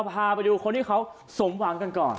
พาไปดูคนที่เขาสมหวังกันก่อน